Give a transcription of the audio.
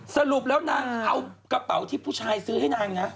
สรุปแล้วนางเอากระเป๋าที่ผู้ชายซื้อให้นางนะ